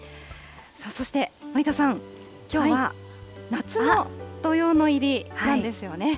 そして森田さん、きょうは夏の土用の入りなんですよね。